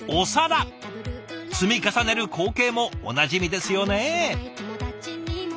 積み重ねる光景もおなじみですよね。